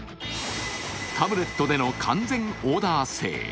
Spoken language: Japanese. タブレットでの完全オーダー制。